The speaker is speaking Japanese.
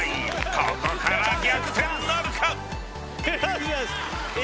［ここから逆転なるか］